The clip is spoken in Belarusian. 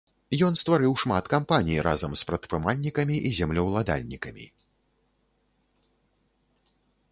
Ён стварыў шмат кампаній разам з прадпрымальнікамі і землеўладальнікамі.